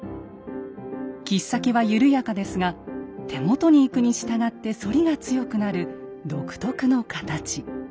切っ先は緩やかですが手元に行くにしたがって反りが強くなる独特の形。